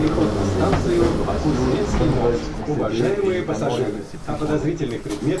Son faible ratio de fumbles concédés est notamment l'un de ses plus grands atouts.